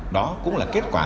đó cũng là kết quả